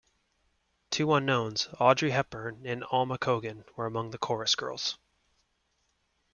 Two unknowns, Audrey Hepburn and Alma Cogan, were among the chorus girls.